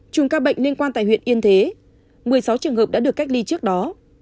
chùm ca bệnh liên quan tại huyện yên thế một mươi sáu trường hợp đã được cách ly trước đó